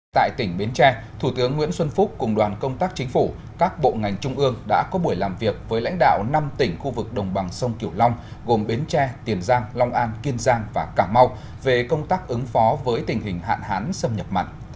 tại tỉnh bến tre thủ tướng nguyễn xuân phúc cùng đoàn công tác chính phủ các bộ ngành trung ương đã có buổi làm việc với lãnh đạo năm tỉnh khu vực đồng bằng sông kiểu long gồm bến tre tiền giang long an kiên giang và cà mau về công tác ứng phó với tình hình hạn hán xâm nhập mặn